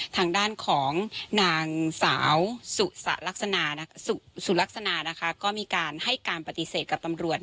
ทางด้านของนางสาวสุลักษณะสุลักษณะนะคะก็มีการให้การปฏิเสธกับตำรวจ